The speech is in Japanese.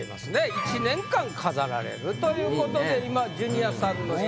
１年間飾られるということで今ジュニアさんの絵が。